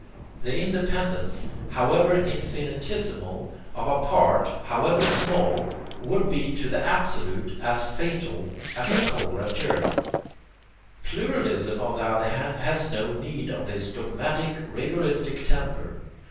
The independence, however infinitesimal, of a part, however small, would be to the Absolute as fatal as a cholera germ. Pluralism on the other hand has no need of this dogmatic rigoristic temper.